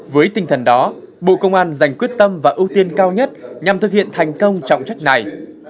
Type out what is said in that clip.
với tinh thần đó bộ công an dành quyết tâm và ưu tiên cao nhất nhằm thực hiện thành công trọng trách này